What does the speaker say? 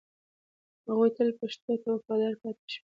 هغوی تل پښتو ته وفادار پاتې شوي